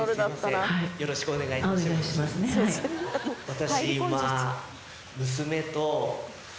私